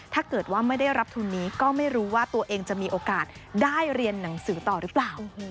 ถ้าเกิดว่าไม่ได้รับทุนนี้ก็ไม่รู้ว่าตัวเองจะมีโอกาสได้เรียนหนังสือต่อหรือเปล่า